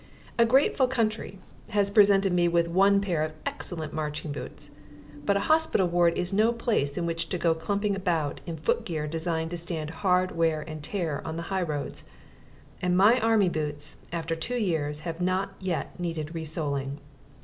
A grateful country has presented me with one pair of excellent marching boots. But a hospital ward is no place in which to go clumping about in footgear designed to stand hard wear and tear on the high roads; and my army boots, after two years, have not yet needed re soling.